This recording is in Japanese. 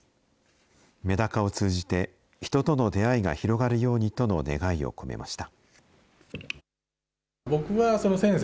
メダカを通じて、人との出会いが広がるようにとの願いを込めました。